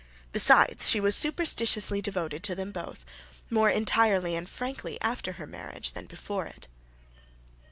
Besides, she was superstitiously devoted to them both, more entirely and frankly after her marriage than before it.